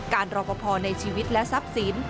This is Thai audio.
รอปภในชีวิตและทรัพย์สิน